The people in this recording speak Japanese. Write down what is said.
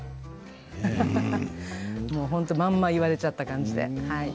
本当まんま言われちゃった感じで。